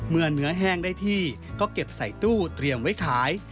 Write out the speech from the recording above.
เนื้อแห้งได้ที่ก็เก็บใส่ตู้เตรียมไว้ขาย